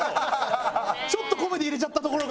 ちょっとコメディー入れちゃったところが。